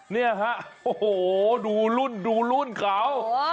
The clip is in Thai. นี่ค่ะโอ้เมาโหดูรุ่นเขา